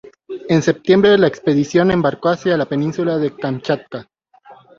En septiembre, la expedición embarcó hacia la península de Kamchatka.